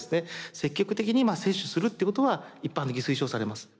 積極的に摂取するってことは一般的に推奨されます。